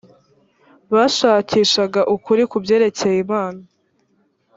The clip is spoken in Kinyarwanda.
bashakishaga ukuri ku byerekeye imana